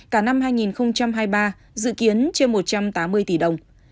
cả năm hai nghìn hai mươi ba dự kiến trên một trăm tám mươi tỷ đồng